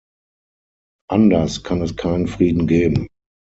Anders kann es keinen Frieden geben.